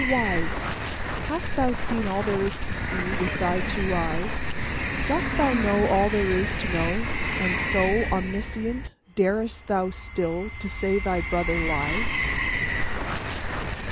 By permission of Robert W. Chambers. All wise, Hast thou seen all there is to see with thy two eyes? Dost thou know all there is to know, and so, Omniscient, Darest thou still to say thy brother lies?